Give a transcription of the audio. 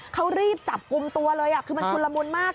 เขารีบจับกลุ่มตัวเลยคือมันชุนละมุนมาก